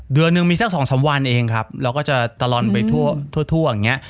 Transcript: เดือนหนึ่งมีสัก๒๓วันเองครับเราก็จะตรอนไปทั่วอย่างเงี้ย